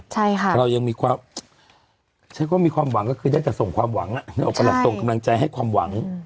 ใช่ค่ะเรายังมีความใช้ความหวังก็คือได้แต่ส่งความหวังนึกออกปะหลักส่งกำลังใจให้ความหวัง